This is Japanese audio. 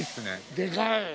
でかい。